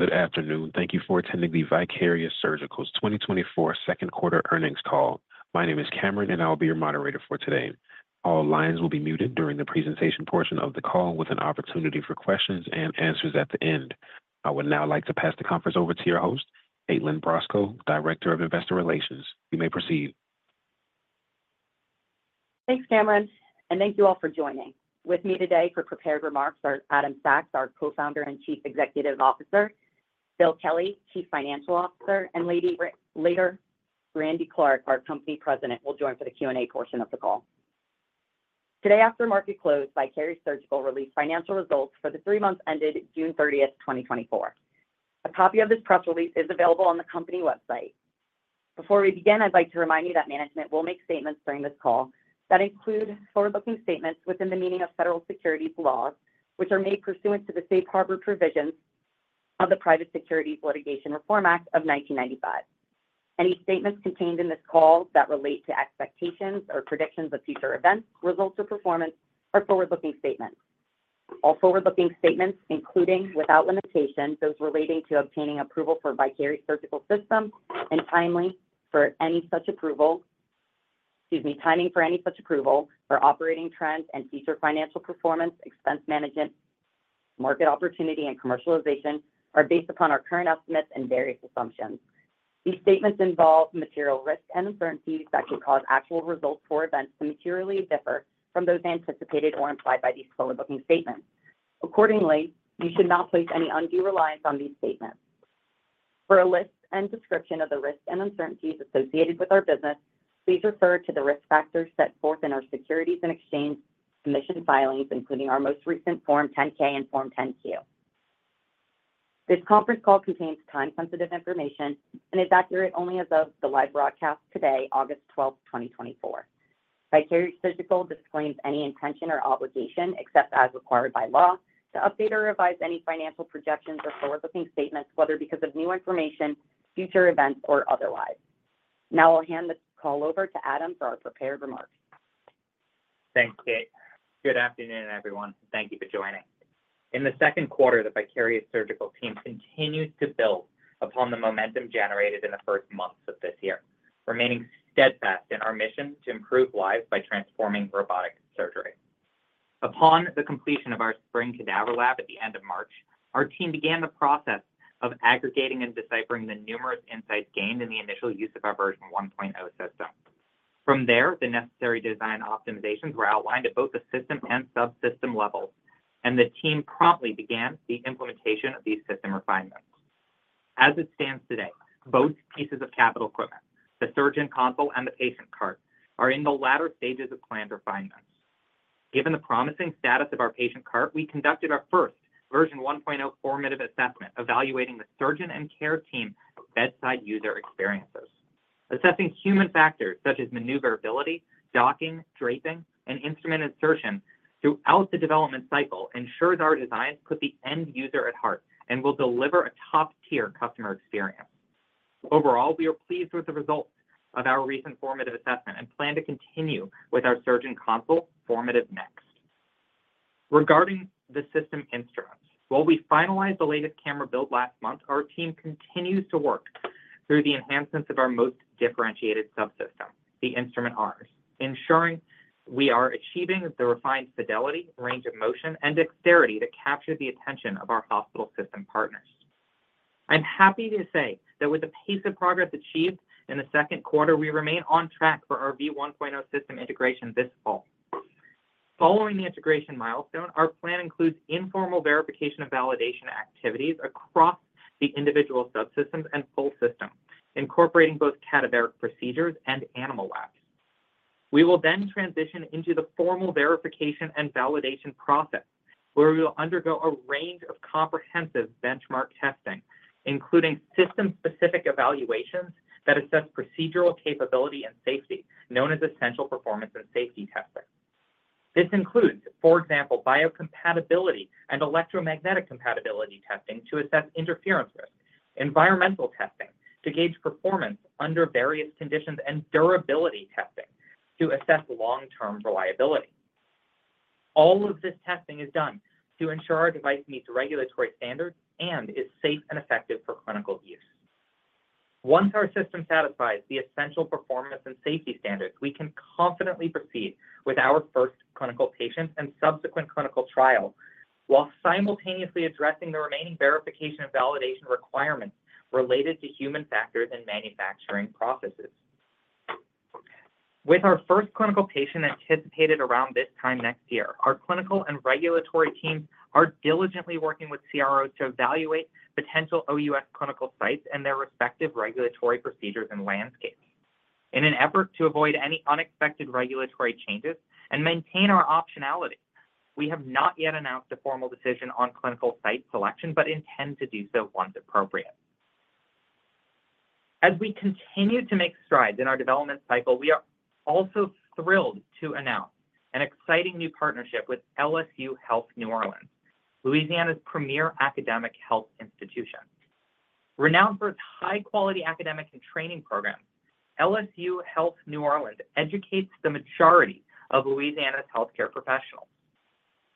Good afternoon! Thank you for attending the Vicarious Surgical's 2024 second quarter earnings call. My name is Cameron, and I'll be your moderator for today. All lines will be muted during the presentation portion of the call, with an opportunity for questions and answers at the end. I would now like to pass the conference over to your host, Kaitlyn Brosco, Director of Investor Relations. You may proceed. Thanks, Cameron, and thank you all for joining. With me today for prepared remarks are Adam Sachs, our Co-founder and Chief Executive Officer. Bill Kelly, Chief Financial Officer. Later, Randy Clark, our President, will join for the Q&A portion of the call. Today, after market close, Vicarious Surgical released financial results for the three months ended June 30, 2024. A copy of this press release is available on the company website. Before we begin, I'd like to remind you that management will make statements during this call that include forward-looking statements within the meaning of federal securities laws, which are made pursuant to the Safe Harbor provisions of the Private Securities Litigation Reform Act of 1995. Any statements contained in this call that relate to expectations or predictions of future events, results, or performance are forward-looking statements. All forward-looking statements, including, without limitation, those relating to obtaining approval for Vicarious Surgical System, and timely for any such approval... Excuse me, timing for any such approval for operating trends and future financial performance, expense management, market opportunity, and commercialization are based upon our current estimates and various assumptions. These statements involve material risks and uncertainties that could cause actual results or events to materially differ from those anticipated or implied by these forward-looking statements. Accordingly, you should not place any undue reliance on these statements. For a list and description of the risks and uncertainties associated with our business, please refer to the risk factors set forth in our Securities and Exchange Commission filings, including our most recent Form 10-K and Form 10-Q. This conference call contains time-sensitive information and is accurate only as of the live broadcast today, August 12, 2024. Vicarious Surgical disclaims any intention or obligation, except as required by law, to update or revise any financial projections or forward-looking statements, whether because of new information, future events, or otherwise. Now, I'll hand this call over to Adam for our prepared remarks. Thanks, Kate. Good afternoon, everyone. Thank you for joining. In the second quarter, the Vicarious Surgical team continued to build upon the momentum generated in the first months of this year, remaining steadfast in our mission to improve lives by transforming robotic surgery. Upon the completion of our spring cadaver lab at the end of March, our team began the process of aggregating and deciphering the numerous insights gained in the initial use of our version 1.0 system. From there, the necessary design optimizations were outlined at both the system and subsystem levels, and the team promptly began the implementation of these system refinements. As it stands today, both pieces of capital equipment, the surgeon console and the patient cart, are in the latter stages of planned refinements. Given the promising status of our patient cart, we conducted our first Version 1.0 formative assessment, evaluating the surgeon and care team bedside user experiences. Assessing human factors such as maneuverability, docking, draping, and instrument insertion throughout the development cycle ensures our designs put the end user at heart and will deliver a top-tier customer experience. Overall, we are pleased with the results of our recent formative assessment and plan to continue with our surgeon console formative next. Regarding the system instruments, while we finalized the latest camera build last month, our team continues to work through the enhancements of our most differentiated subsystem, the instrument arms, ensuring we are achieving the refined fidelity, range of motion, and dexterity that capture the attention of our hospital system partners. I'm happy to say that with the pace of progress achieved in the second quarter, we remain on track for our V1.0 system integration this fall. Following the integration milestone, our plan includes informal verification and validation activities across the individual subsystems and full system, incorporating both cadaveric procedures and animal labs. We will then transition into the formal verification and validation process, where we will undergo a range of comprehensive benchmark testing, including system-specific evaluations that assess procedural capability and safety, known as essential performance and safety testing. This includes, for example, biocompatibility and electromagnetic compatibility testing to assess interference risk, environmental testing to gauge performance under various conditions, and durability testing to assess long-term reliability. All of this testing is done to ensure our device meets regulatory standards and is safe and effective for clinical use. Once our system satisfies the essential performance and safety standards, we can confidently proceed with our first clinical patients and subsequent clinical trial while simultaneously addressing the remaining verification and validation requirements related to human factors and manufacturing processes. With our first clinical patient anticipated around this time next year, our clinical and regulatory teams are diligently working with CROs to evaluate potential OUS clinical sites and their respective regulatory procedures and landscapes. In an effort to avoid any unexpected regulatory changes and maintain our optionality, we have not yet announced a formal decision on clinical site selection, but intend to do so once appropriate. As we continue to make strides in our development cycle, we are also thrilled to announce an exciting new partnership with LSU Health New Orleans, Louisiana's premier academic health institution. Renowned for its high-quality academic and training program, LSU Health New Orleans educates the majority of Louisiana's healthcare professionals.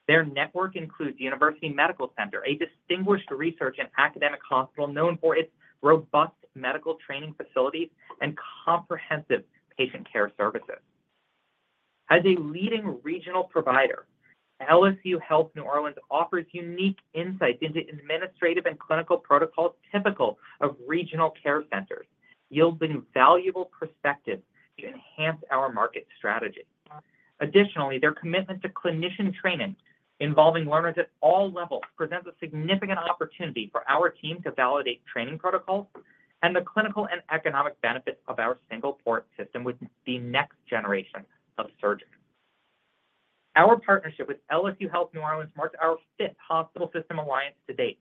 Their network includes University Medical Center, a distinguished research and academic hospital known for its robust medical training facilities and comprehensive patient care services. As a leading regional provider, LSU Health New Orleans offers unique insights into administrative and clinical protocols typical of regional care centers, yielding valuable perspective to enhance our market strategy. Additionally, their commitment to clinician training, involving learners at all levels, presents a significant opportunity for our team to validate training protocols and the clinical and economic benefits of our single-port system with the next generation of surgeons. Our partnership with LSU Health New Orleans marks our fifth hospital system alliance to date,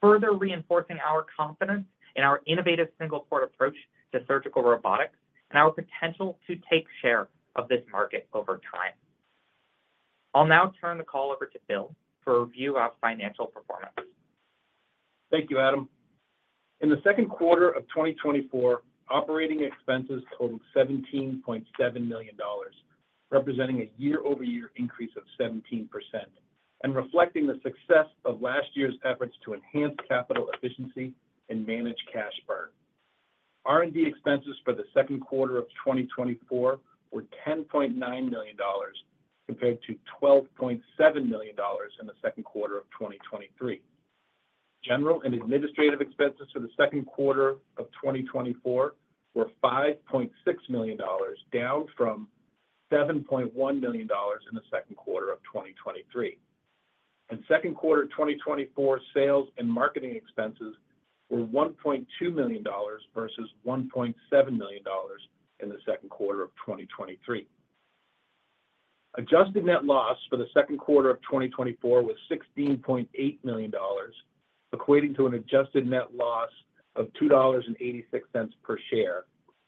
further reinforcing our confidence in our innovative single-port approach to surgical robotics and our potential to take share of this market over time. I'll now turn the call over to Bill for a review of financial performance. Thank you, Adam. In the second quarter of 2024, operating expenses totaled $17.7 million, representing a year-over-year increase of 17% and reflecting the success of last year's efforts to enhance capital efficiency and manage cash burn. R&D expenses for the second quarter of 2024 were $10.9 million, compared to $12.7 million in the second quarter of 2023. General and administrative expenses for the second quarter of 2024 were $5.6 million, down from $7.1 million in the second quarter of 2023. Second quarter 2024 sales and marketing expenses were $1.2 million versus $1.7 million in the second quarter of 2023. Adjusted Net Loss for the second quarter of 2024 was $16.8 million, equating to an Adjusted Net Loss of $2.86 per share,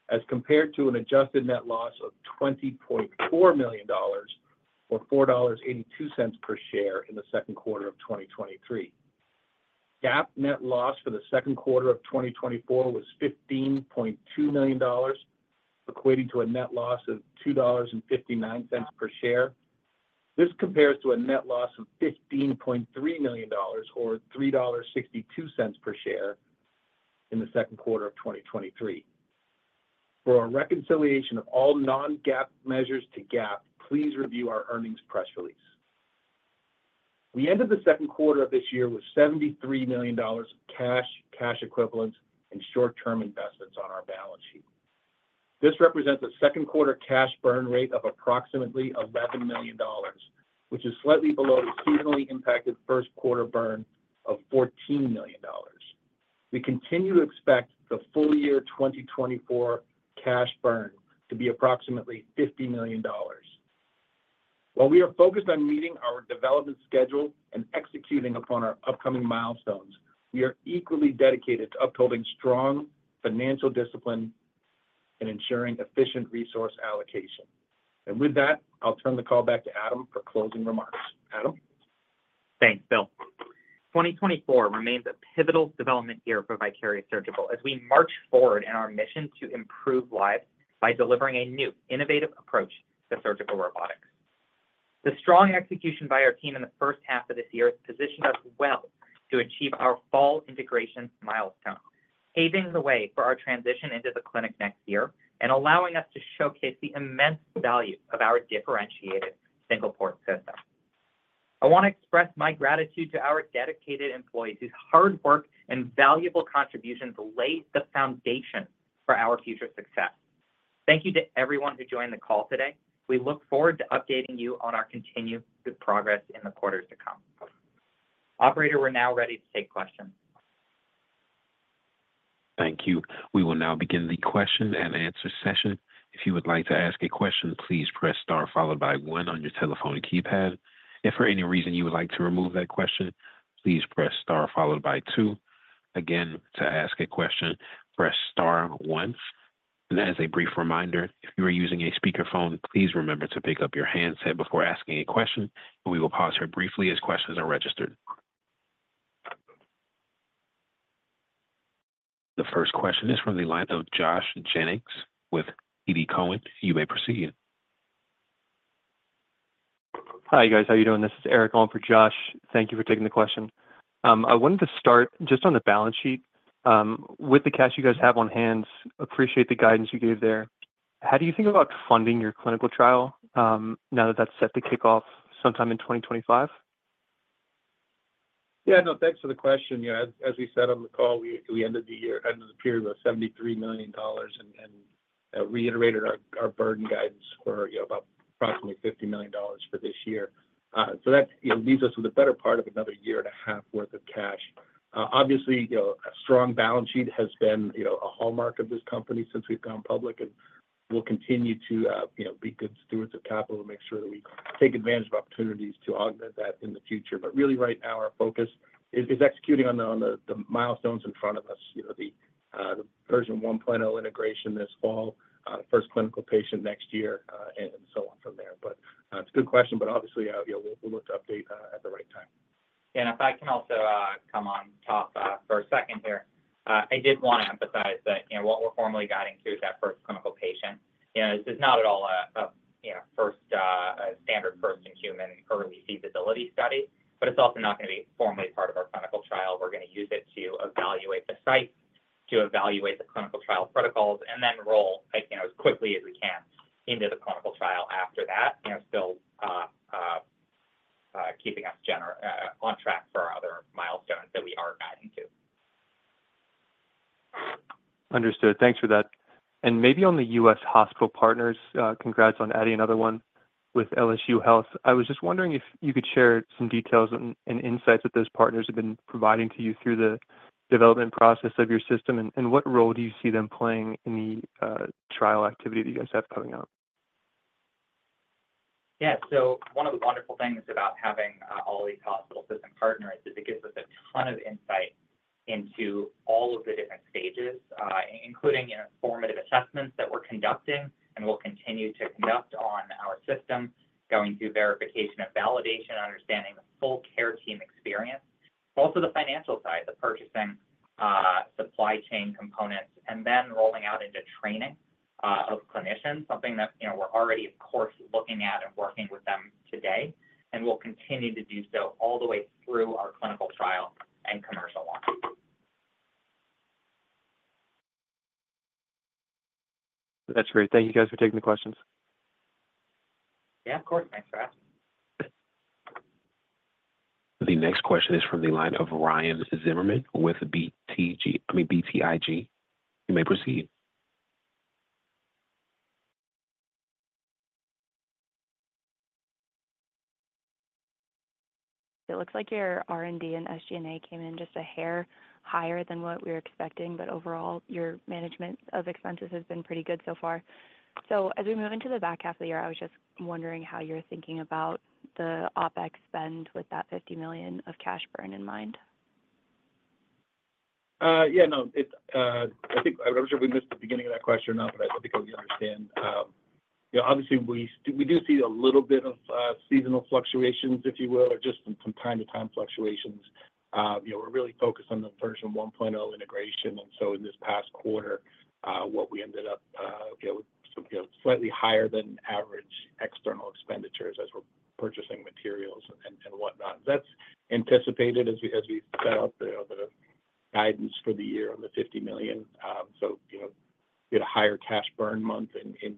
as compared to an Adjusted Net Loss of $20.4 million, or $4.82 per share in the second quarter of 2023. GAAP Net Loss for the second quarter of 2024 was $15.2 million, equating to a Net Loss of $2.59 per share. This compares to a Net Loss of $15.3 million, or $3.62 per share in the second quarter of 2023. For a reconciliation of all non-GAAP measures to GAAP, please review our earnings press release. We ended the second quarter of this year with $73 million of cash, cash equivalents, and short-term investments on our balance sheet. This represents a second quarter cash burn rate of approximately $11 million, which is slightly below the seasonally impacted first quarter burn of $14 million. We continue to expect the full year 2024 cash burn to be approximately $50 million. While we are focused on meeting our development schedule and executing upon our upcoming milestones, we are equally dedicated to upholding strong financial discipline and ensuring efficient resource allocation. With that, I'll turn the call back to Adam for closing remarks. Adam? Thanks, Bill. 2024 remains a pivotal development year for Vicarious Surgical as we march forward in our mission to improve lives by delivering a new, innovative approach to surgical robotics. The strong execution by our team in the first half of this year has positioned us well to achieve our fall integration milestone, paving the way for our transition into the clinic next year and allowing us to showcase the immense value of our differentiated single-port system. I want to express my gratitude to our dedicated employees, whose hard work and valuable contributions lay the foundation for our future success. Thank you to everyone who joined the call today. We look forward to updating you on our continued good progress in the quarters to come. Operator, we're now ready to take questions. Thank you. We will now begin the question and answer session. If you would like to ask a question, please press star, followed by one on your telephone keypad. If for any reason you would like to remove that question, please press star followed by two. Again, to ask a question, press star once. As a brief reminder, if you are using a speakerphone, please remember to pick up your handset before asking a question, and we will pause here briefly as questions are registered. The first question is from the line of Josh Jennings with TD Cowen. You may proceed. Hi, guys. How are you doing? This is Eric on for Josh. Thank you for taking the question. I wanted to start just on the balance sheet. With the cash you guys have on hand, appreciate the guidance you gave there. How do you think about funding your clinical trial, now that that's set to kick off sometime in 2025? Yeah. No, thanks for the question. You know, as we said on the call, we ended the year, ended the period with $73 million and reiterated our burn rate guidance for, you know, about approximately $50 million for this year. So that, you know, leaves us with a better part of another year and a half worth of cash. Obviously, you know, a strong balance sheet has been, you know, a hallmark of this company since we've gone public, and we'll continue to, you know, be good stewards of capital and make sure that we take advantage of opportunities to augment that in the future. But really, right now, our focus is executing on the milestones in front of us. You know, the version 1.0 integration this fall, first clinical patient next year, and so on from there. It's a good question, but obviously, you know, we'll look to update at the right time. If I can also come on top for a second here. I did wanna emphasize that, you know, what we're formally guiding to is that first clinical patient. You know, this is not at all a standard first-in-human early feasibility study, but it's also not gonna be formally part of our clinical trial. We're gonna use it to evaluate the site, to evaluate the clinical trial protocols, and then roll, you know, as quickly as we can into the clinical trial after that, you know, still keeping us on track for our other milestones that we are guiding to. Understood. Thanks for that. And maybe on the U.S. hospital partners, congrats on adding another one with LSU Health. I was just wondering if you could share some details and, and insights that those partners have been providing to you through the development process of your system, and, and what role do you see them playing in the, trial activity that you guys have coming up? Yeah. So one of the wonderful things about having all of these hospital system partners is it gives us a ton of insight into all of the different stages, including, you know, formative assessments that we're conducting and will continue to conduct on our system, going through verification and validation, understanding the full care team experience. Also the financial side, the purchasing, supply chain components, and then rolling out into training of clinicians, something that, you know, we're already, of course, looking at and working with them today, and we'll continue to do so all the way through our clinical trial and commercial launch. That's great. Thank you, guys, for taking the questions. Yeah, of course. Thanks for asking. The next question is from the line of Ryan Zimmerman with BTG... I mean, BTIG. You may proceed. It looks like your R&D and SG&A came in just a hair higher than what we were expecting, but overall, your management of expenses has been pretty good so far. So as we move into the back half of the year, I was just wondering how you're thinking about the OpEx spend with that $50 million of cash burn in mind? Yeah. No, it's, I think—I'm not sure if we missed the beginning of that question or not, but I think we understand. You know, obviously we, we do see a little bit of, seasonal fluctuations, if you will, or just some, some time-to-time fluctuations. You know, we're really focused on the version 1.0 integration, and so in this past quarter, what we ended up, you know, with, you know, slightly higher than average external expenditures as we're purchasing materials and, and whatnot. That's anticipated as we, as we set out the, the guidance for the year on the $50 million. So, you know, we had a higher cash burn month in, in,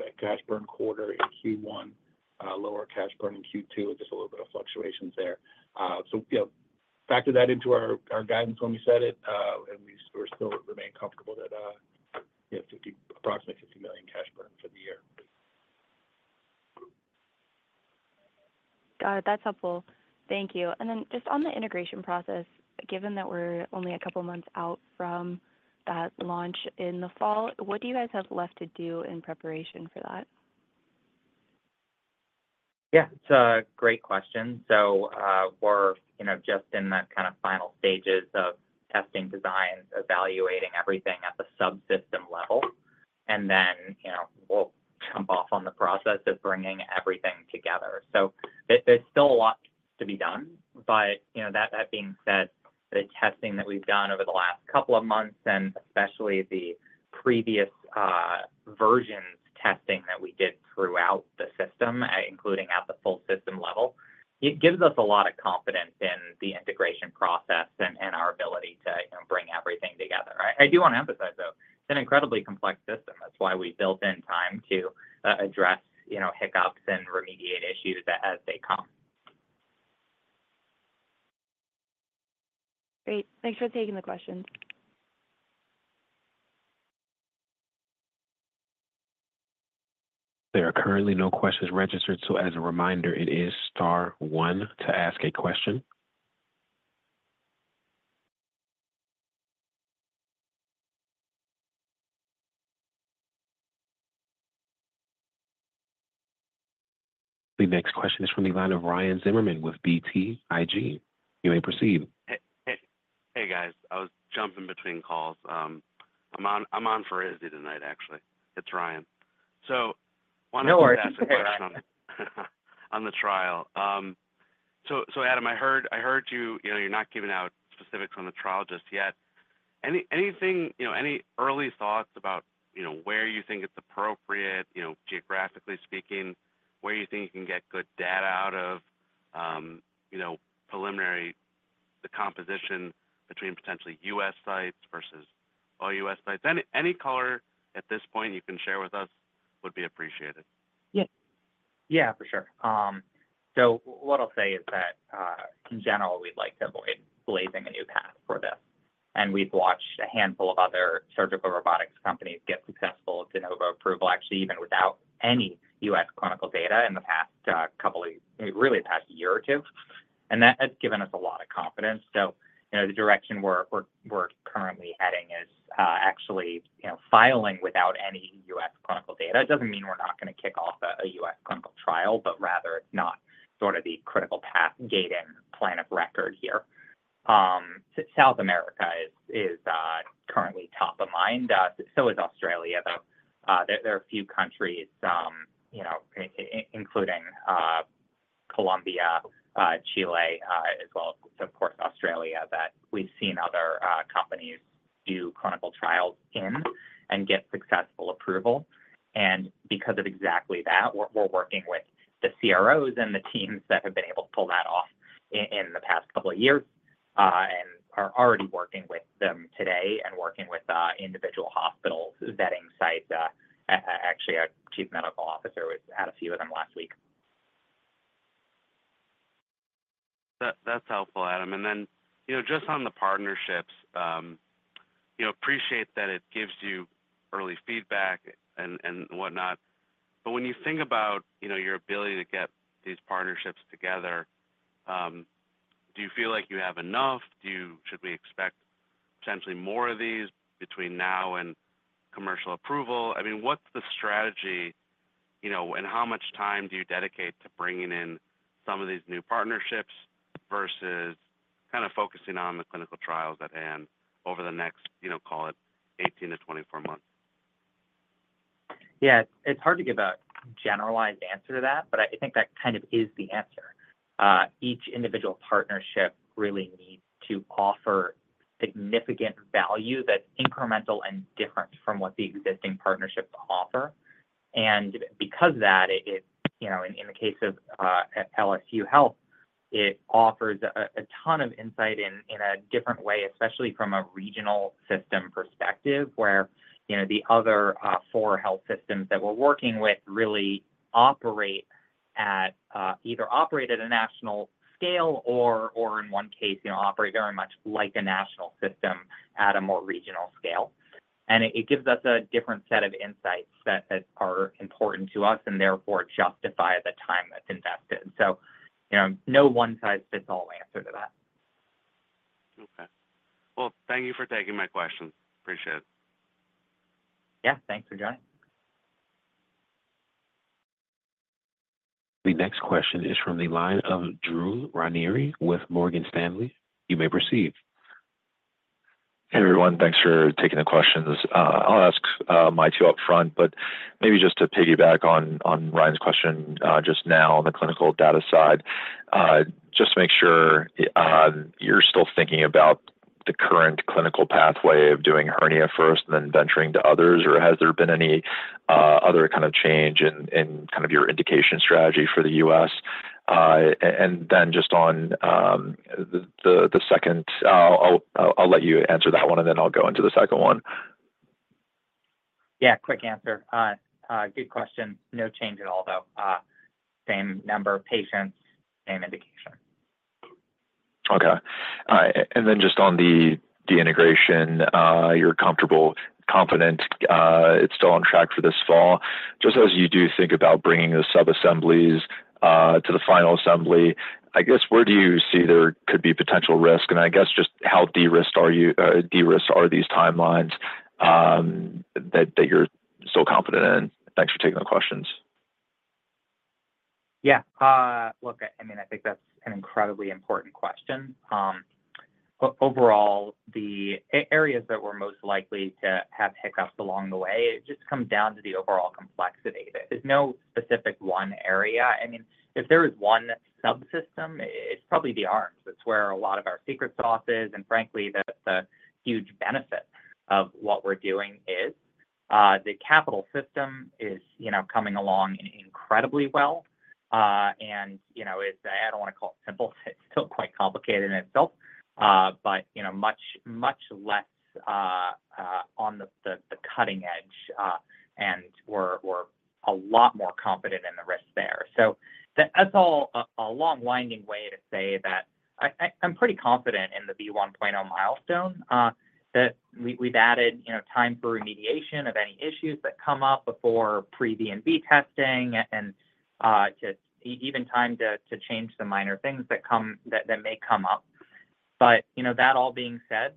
a cash burn quarter in Q1, lower cash burn in Q2, just a little bit of fluctuations there. So, you know, we factored that into our guidance when we said it, and we still remain comfortable that we have approximately $50 million cash burn for the year. Got it. That's helpful. Thank you. And then just on the integration process, given that we're only a couple of months out from that launch in the fall, what do you guys have left to do in preparation for that? Yeah, it's a great question. So, we're, you know, just in the kind of final stages of testing designs, evaluating everything at the subsystem level, and then, you know, we'll jump off on the process of bringing everything together. So there's still a lot to be done, but, you know, that, that being said, the testing that we've done over the last couple of months, and especially the previous, versions testing that we did throughout the system, including at the full system level, it gives us a lot of confidence in the integration process and our ability to, you know, bring everything together. I do want to emphasize, though, it's an incredibly complex system. That's why we built in time to address, you know, hiccups and remediate issues as they come. Great. Thanks for taking the question. There are currently no questions registered, so as a reminder, it is star one to ask a question. The next question is from the line of Ryan Zimmerman with BTIG. You may proceed. Hey, hey, hey, guys. I was jumping between calls. I'm on, I'm on for Izzy tonight, actually. It's Ryan. So- No worries. wanted to ask a question on the trial. So, Adam, I heard you, you know, you're not giving out specifics on the trial just yet. Anything, you know, any early thoughts about, you know, where you think it's appropriate, you know, geographically speaking, where you think you can get good data out of, you know, preliminary, the composition between potentially U.S. sites versus all U.S. sites? Any color at this point you can share with us would be appreciated. Yeah. Yeah, for sure. So what I'll say is that, in general, we'd like to avoid blazing a new path for this. And we've watched a handful of other surgical robotics companies get successful de novo approval, actually, even without any U.S. clinical data in the past couple of years, really the past year or two, and that has given us a lot of confidence. So, you know, the direction we're currently heading is, actually, you know, filing without any U.S. clinical data. It doesn't mean we're not gonna kick off a U.S. clinical trial, but rather it's not sort of the critical path gating plan of record here. South America is currently top of mind, so is Australia, though. There are a few countries, you know, including Colombia, Chile, as well as, of course, Australia, that we've seen other companies do clinical trials in and get successful approval. And because of exactly that, we're working with the CROs and the teams that have been able to pull that off in the past couple of years, and are already working with them today and working with individual hospitals vetting sites. Actually, our chief medical officer had a few of them last week. That, that's helpful, Adam. And then, you know, just on the partnerships, you know, appreciate that it gives you early feedback and, and whatnot. But when you think about, you know, your ability to get these partnerships together, do you feel like you have enough? Do you-- Should we expect potentially more of these between now and commercial approval? I mean, what's the strategy, you know, and how much time do you dedicate to bringing in some of these new partnerships versus kind of focusing on the clinical trials at hand over the next, you know, call it 18-24 months? Yeah, it's hard to give a generalized answer to that, but I think that kind of is the answer. Each individual partnership really needs to offer significant value that's incremental and different from what the existing partnerships offer. And because of that, it you know in the case of LSU Health, it offers a ton of insight in a different way, especially from a regional system perspective, where you know the other four health systems that we're working with really operate at either a national scale or in one case you know operate very much like a national system at a more regional scale. And it gives us a different set of insights that are important to us and therefore justify the time that's invested. So you know no one-size-fits-all answer to that. Okay. Well, thank you for taking my question. Appreciate it. Yeah, thanks for joining. The next question is from the line of Drew Ranieri with Morgan Stanley. You may proceed. Hey, everyone. Thanks for taking the questions. I'll ask my two up front, but maybe just to piggyback on Ryan's question just now on the clinical data side. Just to make sure, you're still thinking about the current clinical pathway of doing hernia first and then venturing to others, or has there been any other kind of change in kind of your indication strategy for the US? And then just on the second, I'll let you answer that one, and then I'll go into the second one. Yeah, quick answer. Good question. No change at all, though. Same number of patients, same indication. Okay. And then just on the deintegration, you're comfortable, confident it's still on track for this fall. Just as you do think about bringing the subassemblies to the final assembly, I guess, where do you see there could be potential risk? And I guess just how de-risked are these timelines that you're still confident in? Thanks for taking the questions. Yeah. Look, I mean, I think that's an incredibly important question. Overall, the areas that we're most likely to have hiccups along the way, it just comes down to the overall complexity. There's no specific one area. I mean, if there is one subsystem, it's probably the arms. That's where a lot of our secret sauce is, and frankly, that's a huge benefit of what we're doing is. The capital system is, you know, coming along incredibly well. And, you know, it's I don't want to call it simple, it's still quite complicated in itself, but, you know, much, much less on the cutting edge, and we're, we're a lot more confident in the risk there. So that's all a long-winding way to say that I'm pretty confident in the V1.0 milestone, that we've added, you know, time for remediation of any issues that come up before pre-V and V testing and, just even time to change the minor things that may come up. But, you know, that all being said,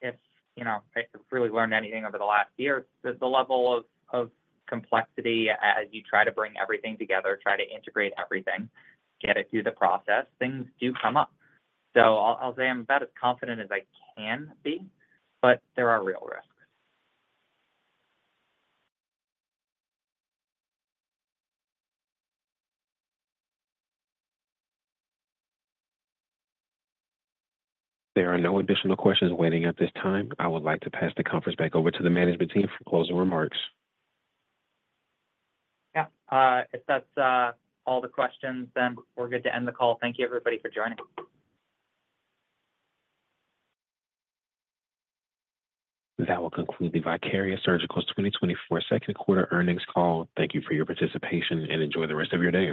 if, you know, I really learned anything over the last year, the level of complexity as you try to bring everything together, try to integrate everything, get it through the process, things do come up. So I'll say I'm about as confident as I can be, but there are real risks. There are no additional questions waiting at this time. I would like to pass the conference back over to the management team for closing remarks. Yeah, if that's all the questions, then we're good to end the call. Thank you, everybody, for joining. That will conclude the Vicarious Surgical's 2024 second quarter earnings call. Thank you for your participation, and enjoy the rest of your day.